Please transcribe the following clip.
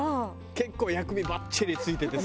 結構薬味バッチリついててさ。